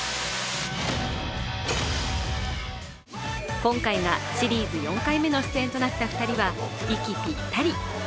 今回がシリーズ４回目の出演となった２人は息ぴったり。